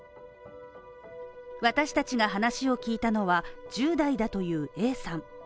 私たちが話を聞いたのは、１０代だというＡさん。